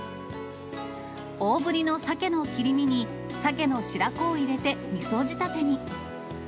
大ぶりのサケの切り身に、サケの白子を入れてみそ仕立てに。